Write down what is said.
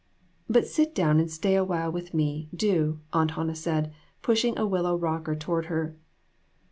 "But sit down and stay awhile with me, do," Aunt Hannah said, pushing a willow rocker toward her.